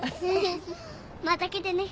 また来てね。